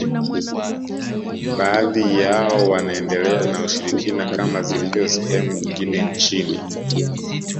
Baadhi yao wanaendelea na ushirikina kama zilivyo sehemu nyingine nchini